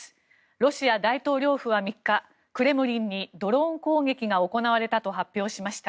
ロシア大統領府は３日クレムリンにドローン攻撃が行われたと発表しました。